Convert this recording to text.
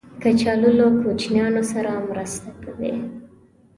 کچالو له کوچنیانو سره مرسته کوي